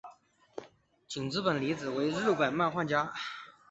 井之本理佳子为日本漫画家。